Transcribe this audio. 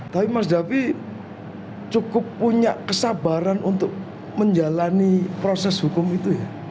tapi mas davi cukup punya kesabaran untuk menjalani proses hukum itu ya